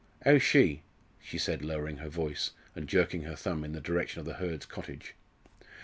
'Ow 's she?" she said, lowering her voice and jerking her thumb in the direction of the Hurds' cottage.